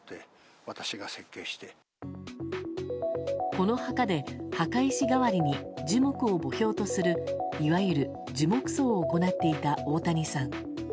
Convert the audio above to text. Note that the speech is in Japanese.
この墓で墓石代わりに樹木を墓標とするいわゆる樹木葬を行っていた大谷さん。